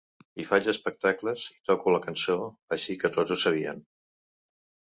I faig espectacles i toco la cançó, així que tots ho sabien.